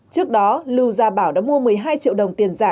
trước đó lưu gia bảo đã mua một mươi hai triệu đồng tiền giả